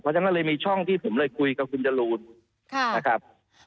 เพราะฉะนั้นก็เลยมีช่องที่ผมเลยคุยกับคุณจรูนนะครับ